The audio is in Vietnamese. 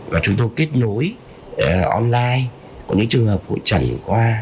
và chúng tôi kết nối online có những trường hợp hội trần qua